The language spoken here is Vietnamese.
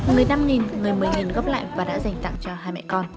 người năm nghìn người một mươi nghìn góp lại và đã dành tặng cho hai mẹ con